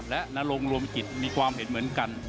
และนรงรวมกิจมีความเห็นเหมือนกัน